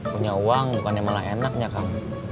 punya uang bukan yang malah enak ya kang